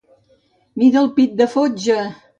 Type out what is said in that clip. Mira el pit de fotja!